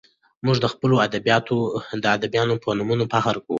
موږ د خپلو ادیبانو په نومونو فخر کوو.